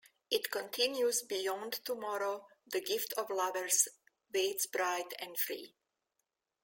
It continues Beyond tomorrow, the gift of lovers, waits bright and free.